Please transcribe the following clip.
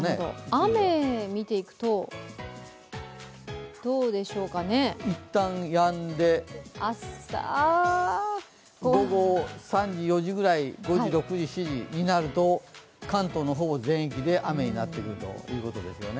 雨を見ていくと、どうでしょうか一旦やんで、午後６・７時になると関東のほぼ全域で雨になってくるということですよね。